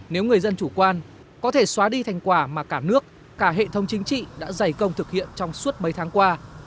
nếu người dân chủ quan có thể xóa đi thành quả mà cả nước cả hệ thống chính trị đã dày công thực hiện trong suốt mấy tháng qua